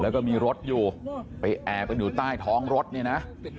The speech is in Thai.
แล้วก็มีรถอยู่ไปแอบกันอยู่ใต้ท้องรถเนี่ยนะ